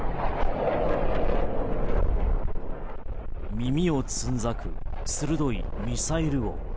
耳をつんざく鋭いミサイル音。